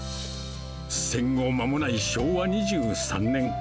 戦後間もない昭和２３年。